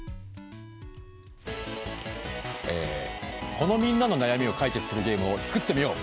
このみんなの悩みを解決するゲームを創ってみよう！